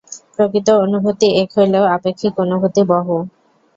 প্রকৃত অনুভূতি এক হইলেও আপেক্ষিক অনুভূতি বহু।